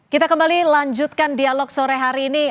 kita kembali lanjutkan dialog sore hari ini